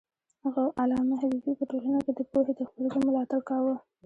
علامه حبيبي په ټولنه کي د پوهې د خپرېدو ملاتړ کاوه.